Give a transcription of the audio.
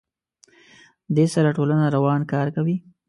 دې سره ټولنه روان کار کوي.